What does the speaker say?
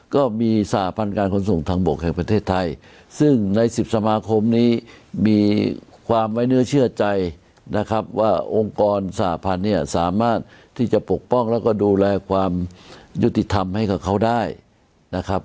ก็มีสหพันธ์การขนส่งทางบกแห่งประเทศไทยซึ่งใน๑๐สมาคมนี้มีความไว้เนื้อเชื่อใจนะครับว่าองค์กรสหพันธ์เนี่ยสามารถที่จะปกป้องแล้วก็ดูแลความยุติธรรมให้กับเขาได้นะครับ